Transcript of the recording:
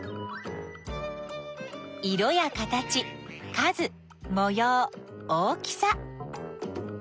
色や形数もよう大きさ。